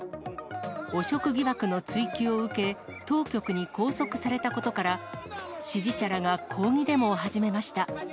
汚職疑惑の追及を受け、当局に拘束されたことから、支持者らが抗議デモを始めました。